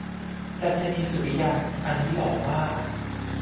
ดรรชนีสุริยัน อันนี้หล่อมาก